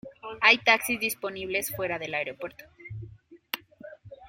Hay taxis disponibles fuera del aeropuerto.